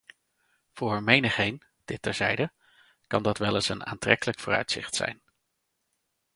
Voor menigeen - dit terzijde - kan dat wel eens een aantrekkelijk vooruitzicht zijn.